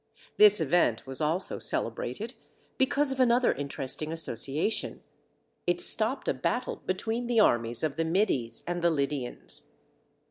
This event was also celebrated because of another interesting association; it stopped a battle between the armies of the Medes and the Lydians.